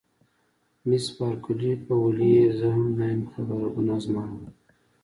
مس بارکلي: په ولې یې زه هم نه یم خبره، ګناه زما وه.